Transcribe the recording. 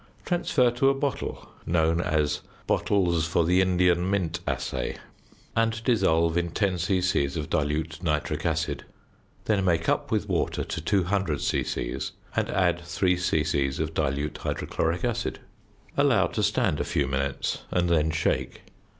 Transfer to a bottle (known as "bottles for the Indian mint assay") and dissolve in 10 c.c. of dilute nitric acid, then make up with water to 200 c.c. and add 3 c.c. of dilute hydrochloric acid. Allow to stand a few minutes and then shake.